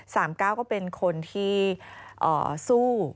เก้าก็เป็นคนที่สู้